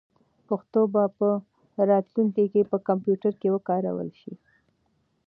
پښتو به په راتلونکي کې په کمپیوټر کې وکارول شي.